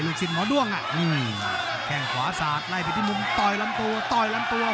ลูกศิลป์หมอด้วงแข่งขวาศาสตร์ไล่ไปที่มุมต่อยลำตัวต่อยลำตัว